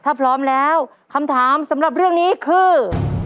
ถ้าพร้อมแล้วคำถามสำหรับเรื่องนี้คือ